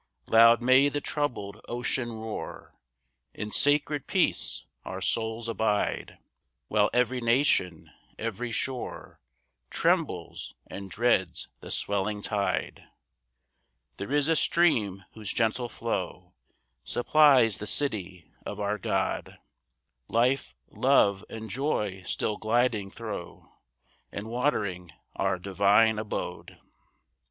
3 Loud may the troubled ocean roar, In sacred peace our souls abide, While every nation, every shore, Trembles, and dreads the swelling tide. 4 There is a stream whose gentle flow Supplies the city of our God; Life, love, and joy still gliding thro', And watering our divine abode.